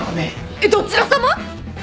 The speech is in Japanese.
えっどちらさま？